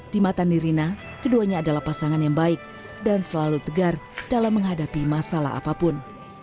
di mata nirina keduanya adalah pasangan yang baik dan selalu tegar dalam menghadapi masalah apapun